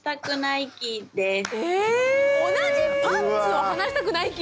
同じパンツを離したくない期？